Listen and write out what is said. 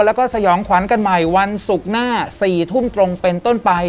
แล้วก็สยองขวัญกันใหม่วันศุกร์หน้า๔ทุ่มตรงเป็นต้นไป